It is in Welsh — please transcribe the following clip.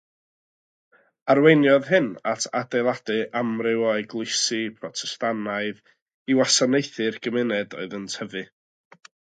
Arweiniodd hyn at adeiladu amryw o eglwysi Protestannaidd i wasanaethu'r gymuned oedd yn tyfu.